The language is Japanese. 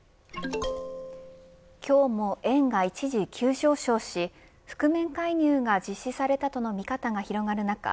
今日も円が一時急上昇し覆面介入が実施されたとの見方が広がる中